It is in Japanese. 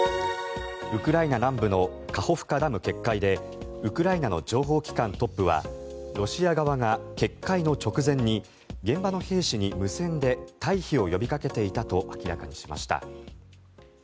ウクライナ南部のカホフカダム決壊でウクライナの情報機関トップはロシア側が決壊の直前に現場の兵士に無線で退避を呼びかけていたと明らかにしました。